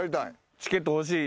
チケット欲しい？